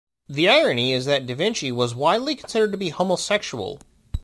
The irony is that da Vinci was widely considered to be homosexual.